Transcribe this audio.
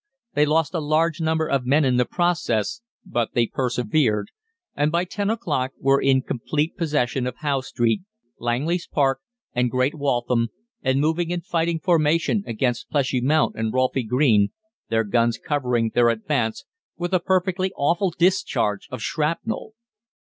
They lost a large number of men in the process, but they persevered, and by ten o'clock were in complete possession of Howe Street, Langley's Park, and Great Waltham, and moving in fighting formation against Pleshy Mount and Rolphy Green, their guns covering their advance with a perfectly awful discharge of shrapnel.